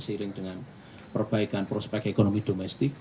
seiring dengan perbaikan prospek ekonomi domestik